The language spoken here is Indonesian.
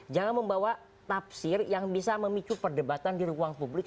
jangan membawa tafsir yang bisa memicu perdebatan di ruang publik